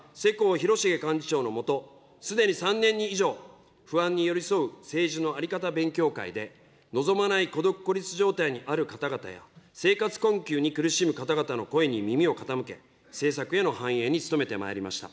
参議院自由民主党では、世耕弘成幹事長の下、すでに３年以上、不安に寄り添う政治のあり方勉強会で、望まない孤立状態にある方々や生活困窮に苦しむ方々の声に耳を傾け、政策への反映に努めてまいりました。